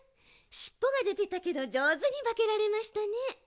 しっぽがでてたけどじょうずにばけられましたね。